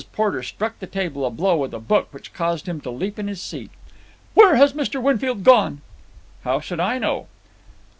Porter struck the table a blow with a book which caused him to leap in his seat. "Where has Mr. Winfield gone?" "How should I know?"